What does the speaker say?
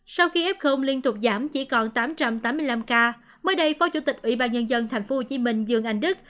sau khi f liên tục giảm chỉ còn tám trăm tám mươi năm ca mới đây phó chủ tịch ủy ban nhân dân thành phố hồ chí minh dương anh đức